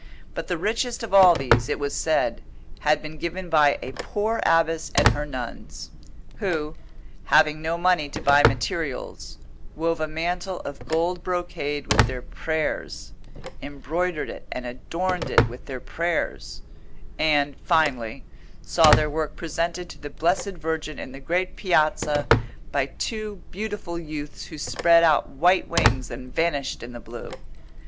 But the richest of all these, it was said, had been given by a poor abbess and her nuns, who, having no money to buy materials, wove a mantle of gold brocade with their prayers, embroidered it and adorned it with their prayers, and, finally, saw their work presented to the Blessed Virgin in the great Piazza by two beautiful youths who spread out white wings and vanished in the blue.